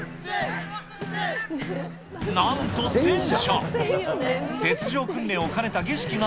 なんと戦車。